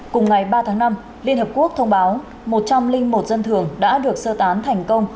cùng ngày ba tháng năm liên hợp quốc thông báo một trăm linh một dân thường đã được sơ tán thành công